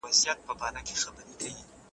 د داستاني ادبیاتو څېړنه د پوهې یوه نوې کړکۍ ده.